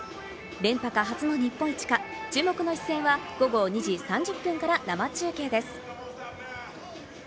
連覇か、初の日本一か、注目の一戦は午後２時３０分から生中継です。